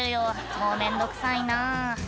「もう面倒くさいな」